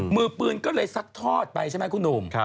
มือปืนก็เลยซัดทอดไปใช่ไหมคุณหนุ่ม